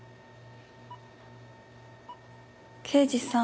刑事さん。